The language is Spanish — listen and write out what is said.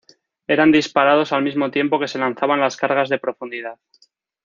Eran disparados al mismo tiempo que se lanzaban las cargas de profundidad.